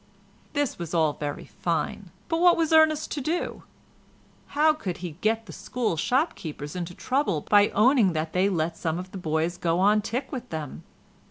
This was all very fine, but what was Ernest to do? How could he get the school shop keepers into trouble by owning that they let some of the boys go on tick with them?